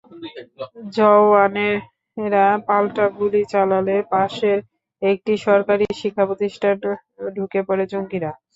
জওয়ানেরা পাল্টা গুলি চালালে পাশের একটি সরকারি শিক্ষাপ্রতিষ্ঠানে ঢুকে পড়ে জঙ্গিরা।